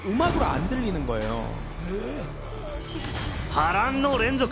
波乱の連続。